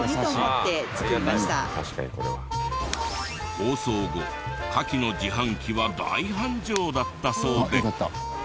放送後カキの自販機は大繁盛だったそうで。